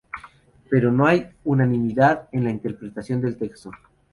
Pero no hay unanimidad en la interpretación del texto.